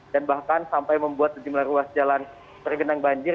dan bahkan sampai membuat sejumlah ruas jalan tergenang banjir